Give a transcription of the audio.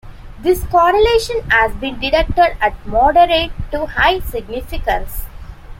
This correlation has been detected at moderate to high significance.